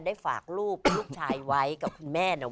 ได้ฝากลูกลูกชายไว้กับคุณแม่เนี่ย